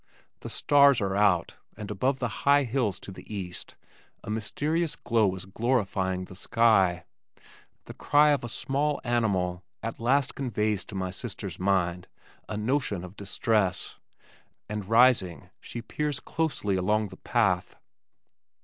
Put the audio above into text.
The stars are out, and above the high hills to the east a mysterious glow is glorifying the sky. The cry of the small animal at last conveys to my sister's mind a notion of distress, and rising she peers closely along the path.